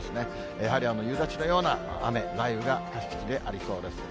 やはり夕立のような雨、雷雨が各地でありそうです。